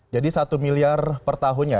jadi satu miliar per tahunnya